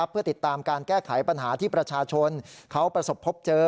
เพื่อติดตามการแก้ไขปัญหาที่ประชาชนเขาประสบพบเจอ